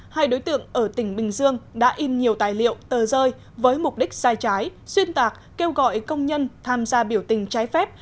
hai đối tượng ở tỉnh bình dương đã in nhiều tài liệu tờ rơi với mục đích sai trái xuyên tạc kêu gọi công nhân tham gia biểu tình trái phép